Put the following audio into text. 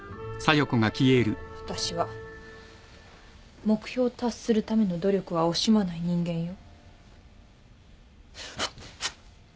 私は目標を達するための努力は惜しまない人間よ。